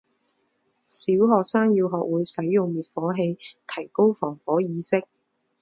小学生要学会使用灭火器，提高防火意识。